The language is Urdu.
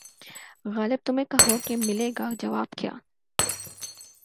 غالبؔ تمہیں کہو کہ ملے گا جواب کیا